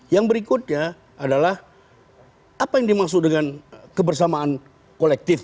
yang berikutnya adalah apa yang dimaksud dengan kebersamaan kolektif